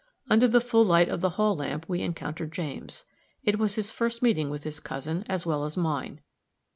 Under the full light of the hall lamp we encountered James. It was his first meeting with his cousin as well as mine.